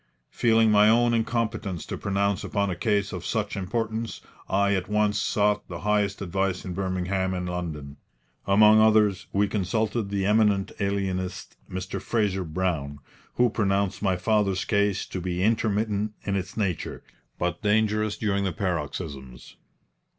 Feeling my own incompetence to pronounce upon a case of such importance, I at once sought the highest advice in Birmingham and London. Among others we consulted the eminent alienist, Mr. Fraser Brown, who pronounced my father's case to be intermittent in its nature, but dangerous during the paroxysms.